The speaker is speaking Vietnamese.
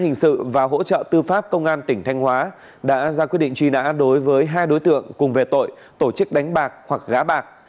hội đồng xét xử và hỗ trợ tư pháp công an tỉnh thanh hóa đã ra quyết định truy nã đối với hai đối tượng cùng về tội tổ chức đánh bạc hoặc gã bạc